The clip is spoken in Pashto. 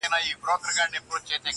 خپل اولاد وږي زمري ته په خوله ورکړم-